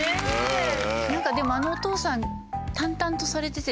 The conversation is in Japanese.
何かでもあのお父さん。